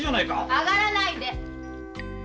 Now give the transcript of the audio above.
上がらないで！